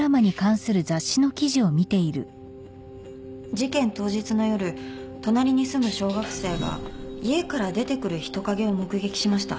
事件当日の夜隣に住む小学生が家から出てくる人影を目撃しました。